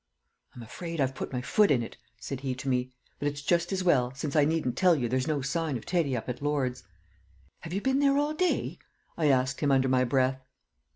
"I'm afraid I've put my foot in it," said he to me. "But it's just as well, since I needn't tell you there's no sign of Teddy up at Lord's." "Have you been there all day?" I asked him under my breath.